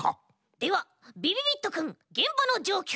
ではびびびっとくんげんばのじょうきょうを！